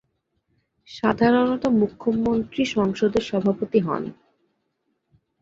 সাধারণত মুখ্যমন্ত্রী সংসদের সভাপতি হন।